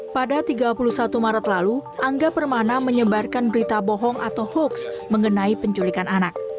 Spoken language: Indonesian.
pada tiga puluh satu maret lalu angga permana menyebarkan berita bohong atau hoax mengenai penculikan anak